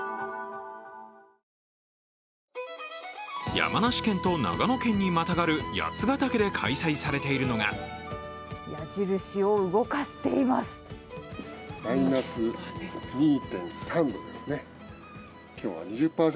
山梨県と長野県にまたがる八ヶ岳で開催されているのが矢印を動かしています。